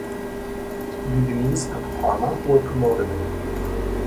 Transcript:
Udinese and Parma were promoted.